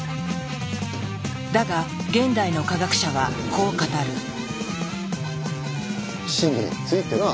だが現代の科学者はこう語る。